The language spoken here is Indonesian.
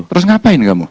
terus ngapain kamu